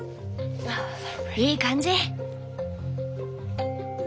いい感じ！